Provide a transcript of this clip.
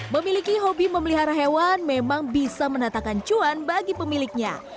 memiliki hobi memelihara hewan memang bisa menatakan cuan bagi pemiliknya